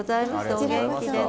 お元気でね。